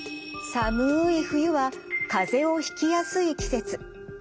寒い冬はかぜをひきやすい季節。